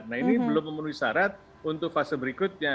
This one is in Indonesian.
nah ini belum memenuhi syarat untuk fase berikutnya